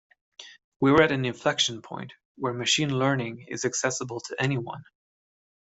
We're at an inflexion point where machine learning is accessible to anyone.